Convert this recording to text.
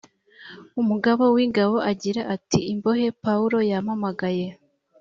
umugaba w’ingabo ati imbohe pawulo yampamagaye